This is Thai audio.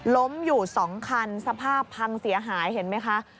ล้มอยู่๒คันสภาพพังเสียหายเห็นไหมคะ